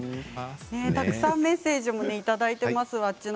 たくさんメッセージもいただいています。